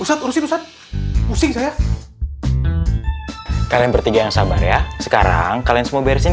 usah urusin urusah pusing saya kalian bertiga yang sabar ya sekarang kalian semua beresin